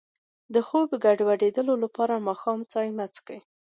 د خوب د ګډوډۍ لپاره د ماښام چای مه څښئ